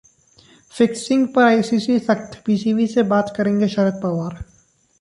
fixing पर ICC सख्त, PCB से बात करेंगे शरद पवार